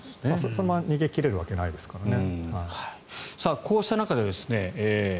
そのまま逃げ切れるわけないですからね。